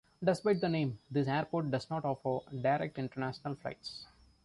Despite the name, this airport does not offer direct international flights.